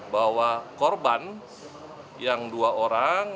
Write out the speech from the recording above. bahwa korban yang dua orang